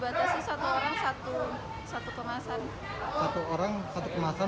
dibatasi satu orang satu kemasan